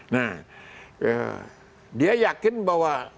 nah dia yakin bahwa